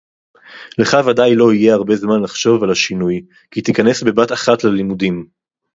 לֵךְ וַדַאי לֹא יִהְיֶה הַרְבֵּה זְמַן לְחַשֵב עַל הַשִנוּי כִּי תִכָּנֵס בְּבַת אַחַת לַלִמוּדִים